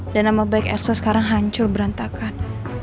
dan nama baik elsa sekarang hancur berantakan